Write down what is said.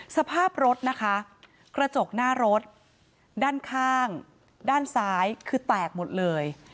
สภาพรถนะคะกระจกหน้ารถด้านข้างด้านซ้ายคือแตกหมดเลย